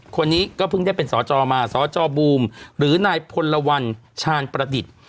คนนี้ก็เพิ่งได้เป็นสจมาสจบูมหรือนายพลวัลชาญประดิษฐ์